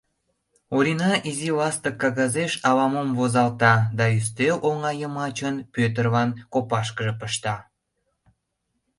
Орина изи ластык кагазеш ала-мом возалта да ӱстел оҥа йымачын Пӧтырлан копашкыже пышта.